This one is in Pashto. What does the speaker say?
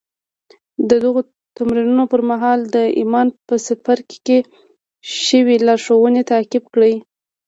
د دغو تمرينونو پر مهال د ايمان په څپرکي کې شوې لارښوونې تعقيب کړئ.